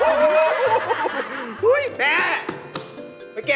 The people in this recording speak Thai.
เล่นก่อนนะลูกนะ